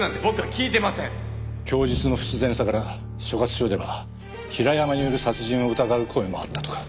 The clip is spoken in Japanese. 供述の不自然さから所轄署では平山による殺人を疑う声もあったとか。